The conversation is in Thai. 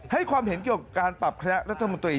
ให้ความเห็นเกี่ยวกับการปรับคณะรัฐมนตรี